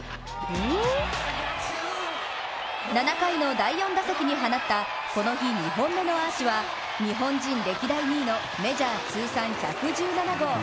７回の第４打席に放ったこの日２本目のアーチは日本人歴代２位のメジャー通算１１７号。